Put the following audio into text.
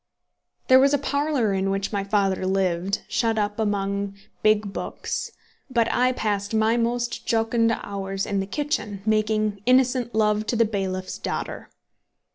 There was a parlour in which my father lived, shut up among big books; but I passed my most jocund hours in the kitchen, making innocent love to the bailiff's daughter.